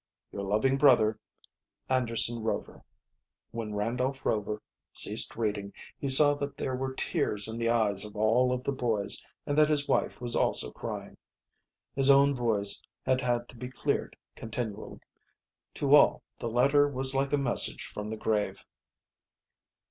"Your loving brother, "ANDERSON ROVER" When Randolph Rover ceased reading he saw that there were tears in the eyes of all of the boys, and that his wife was also crying. His own voice had had to be cleared continually. To all the letter was like a message from the grave.